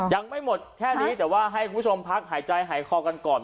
ยังไม่หมดแค่นี้แต่ว่าให้คุณผู้ชมพักหายใจหายคอกันก่อน